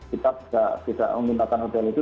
kita tidak memintakan hotel itu